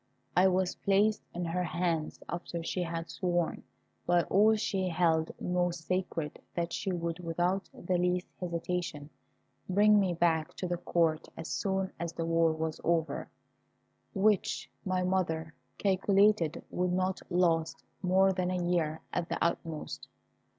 I was placed in her hands after she had sworn by all she held most sacred that she would, without the least hesitation, bring me back to the Court as soon as the war was over, which my mother calculated would not last more than a year at the utmost.